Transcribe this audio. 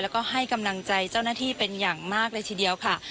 แล้วก็ให้กำลังใจเจ้าหน้าที่เป็นอย่างมากเลยทีเดียวค่ะ